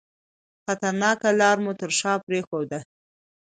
خطرناکه لار مو تر شاه پرېښوده.